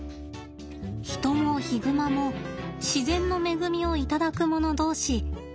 ヒトもヒグマも自然の恵みを頂くもの同士